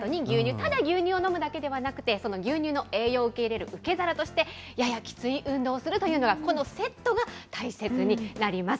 ただ牛乳を飲むだけではなくて、その牛乳の栄養を受け入れる受け皿として、ややきつい運動をするというのが、このセットが大切になります。